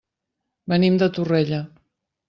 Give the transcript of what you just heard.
Venim de Torrella.